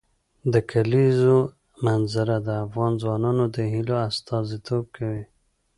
د کلیزو منظره د افغان ځوانانو د هیلو استازیتوب کوي.